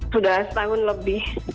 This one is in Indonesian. sudah setahun lebih